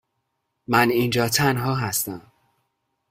من اینجا تنها هستم.